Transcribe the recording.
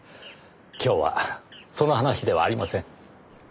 今日はその話ではありません。